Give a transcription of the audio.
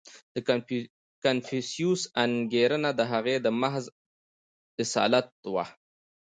• د کنفوسیوس انګېرنه د هغه د محض اصالت وه.